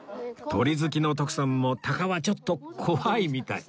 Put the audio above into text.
鳥好きの徳さんも鷹はちょっと怖いみたい